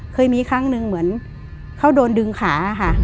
เคยมีครั้งหนึ่งเหมือนเขาโดนดึงขาค่ะ